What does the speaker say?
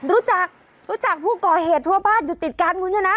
รู้จักรู้จักผู้ก่อเหตุทั่วบ้านอยู่ติดกันคุณชนะ